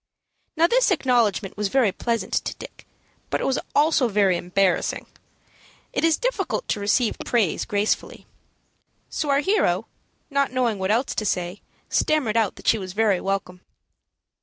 Now this acknowledgment was very pleasant to Dick, but it was also very embarrassing. It is difficult to receive praise gracefully. So our hero, not knowing what else to say, stammered out that she was very welcome.